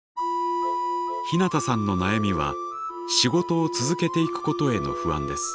ひなたさんの悩みは仕事を続けていくことへの不安です。